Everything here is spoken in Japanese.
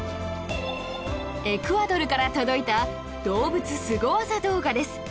エクアドルから届いた動物スゴ技動画です